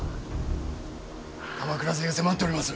鎌倉勢が迫っております。